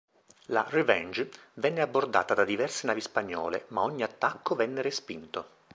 La "Revenge" venne abbordata da diverse navi spagnole, ma ogni attacco venne respinto.